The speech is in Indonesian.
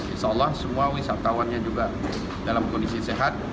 insya allah semua wisatawannya juga dalam kondisi sehat